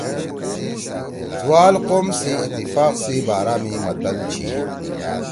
تُوال قوم سی اتفاق سی بارا می متل چھی۔